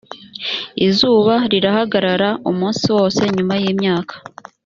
izuba rihagarara umunsi wose nyuma y imyaka